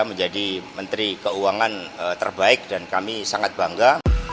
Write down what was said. menjadi menteri keuangan terbaik dan kami sangat bangga